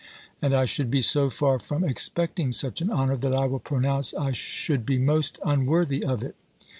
And I should be so far from expecting such an honour that I will pronounce I should be most unworthy of it.'